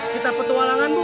kita petualangan bu